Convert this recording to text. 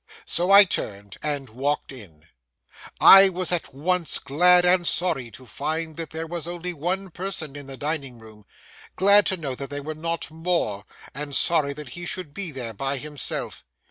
So I turned and walked in. I was at once glad and sorry to find that there was only one person in the dining room; glad to know that there were not more, and sorry that he should be there by himself.